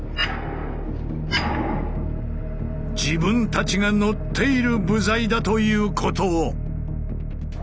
自分たちが乗っている部材だということを。